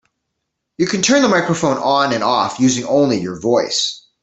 You can turn the microphone on and off using only your voice.